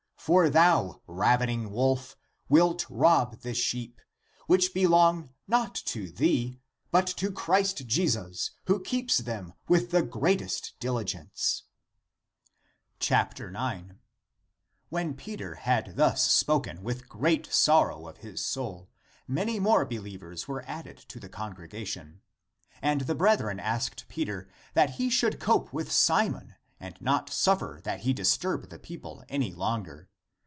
For thou, ravening wolf, wilt rob the sheep, which belong not to thee, but to Christ Jesus, who keeps them with the greatest diligence." 9. When Peter had thus spoken with great sor row of his soul, many more believers were added (to the congregation). And the brethren asked Peter that he should cope with Simon and not suffer that he disturb the people any longer.